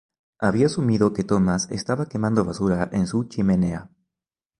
Había asumido que Thomas estaba quemando basura en su chimenea.